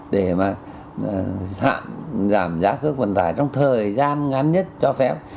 để mà giảm giá cước vận tải trong thời gian ngắn nhất cho phép